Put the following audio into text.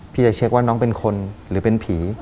จะเช็คว่าน้องเป็นคนหรือเป็นผี